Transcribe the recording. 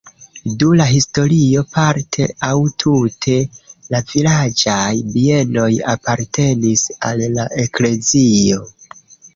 Dum la historio parte aŭ tute la vilaĝaj bienoj apartenis al la eklezio.